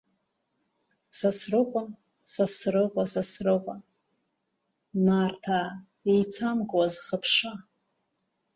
Сасрыҟәа, Сасрыҟәа, Сасрыҟәа, Нарҭаа, еицамкуа зхыԥша.